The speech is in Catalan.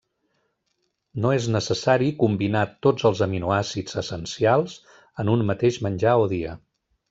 No és necessari combinar tots els aminoàcids essencials en un mateix menjar o dia.